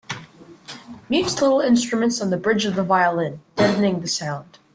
Mutes little instruments on the bridge of the violin, deadening the sound.